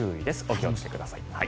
お気をつけください。